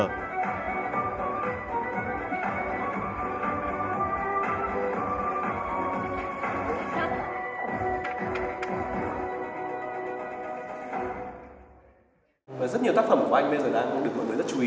rất nhiều tác phẩm của anh bây giờ đang được gọi với rất chú ý